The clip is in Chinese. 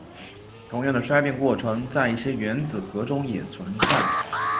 同样的衰变过程在一些原子核中也存在。